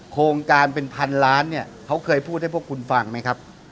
โครงการเป็นพันล้านเนี่ยเขาเคยพูดให้พวกคุณฟังไหมครับ